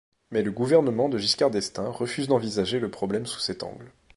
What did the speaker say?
Mais le gouvernement de Giscard d'Estaing refuse d'envisager le problème sous cet angle.